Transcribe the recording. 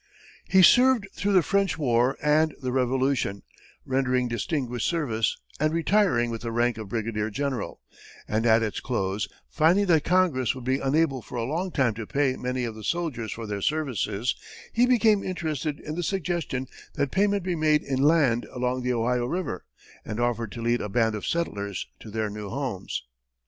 He served through the French war and the Revolution, rendering distinguished service and retiring with the rank of brigadier general; and at its close, finding that Congress would be unable for a long time to pay many of the soldiers for their services, he became interested in the suggestion that payment be made in land along the Ohio river, and offered to lead a band of settlers to their new homes.